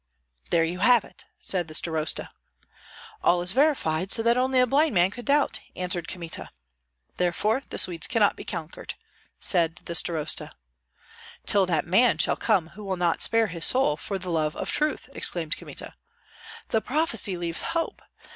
"There you have it!" said the starosta. "All is verified, so that only a blind man could doubt!" answered Kmita. "Therefore the Swedes cannot be conquered," said the starosta. "Till that man shall come who will not spare his soul for the love of truth!" exclaimed Kmita. "The prophecy leaves hope!